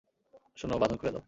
শোনো, বাঁধন খুলে দাও।